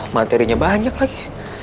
materinya banyak lagi